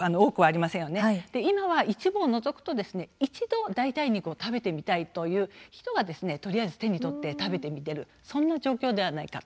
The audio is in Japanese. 今は一部を除くと一度は代替肉を食べてみたいという人がとりあえず手に取って食べてみているそんな状況ではないか。